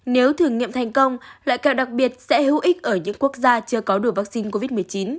nếu thử nghiệm thành công loại kẹo đặc biệt sẽ hữu ích ở những quốc gia chưa có đủ vaccine covid một mươi chín